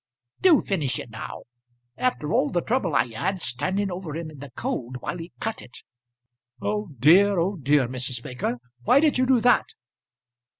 Do finish it now; after all the trouble I had, standing over him in the cold while he cut it." "Oh dear, oh dear, Mrs. Baker, why did you do that?"